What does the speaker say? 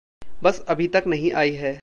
बस अभी तक आई नहीं है।